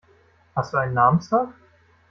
Hast du einen Namenstag?